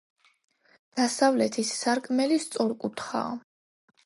დასავლეთის სარკმელი სწორკუთხაა.